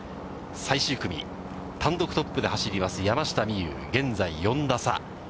最終組、単独トップで走ります山下美夢有、現在４打差。